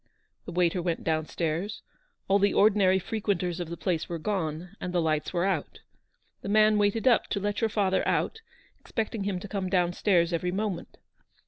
The waiter went down stairs; all the ordinary frequenters of the place were gone, and the lights were out. The man waited up to let your father out, expecting him to come down stairs every moment.